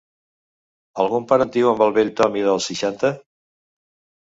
Algun parentiu amb el vell Tommy dels seixanta?